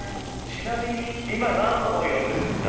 ちなみに今何の本読んでるんですか？